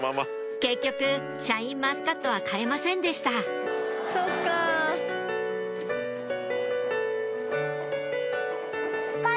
結局シャインマスカットは買えませんでしたはい！